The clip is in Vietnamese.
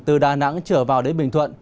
từ đà nẵng trở vào đến bình thuận